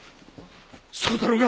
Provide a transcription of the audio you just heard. そうだろうが！